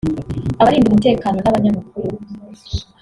abarinda umutekano n’abanyamakuru